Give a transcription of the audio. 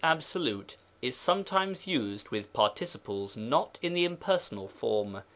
absolute is sometimes used with par ticiples not in the impersonal form.